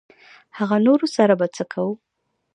هغه نورو سره به څه کوو.